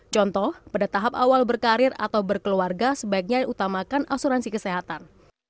contoh pada tahap awal berkarir atau berkeluarga sebaiknya utamakan asuransi kesehatan